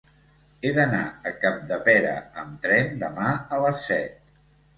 He d'anar a Capdepera amb tren demà a les set.